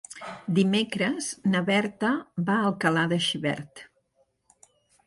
Dimecres na Berta va a Alcalà de Xivert.